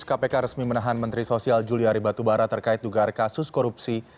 kpk resmi menahan menteri sosial juliari batubara terkait dugaan kasus korupsi